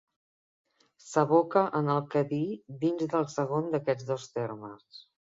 S'aboca en el Cadí dins del segon d'aquests dos termes.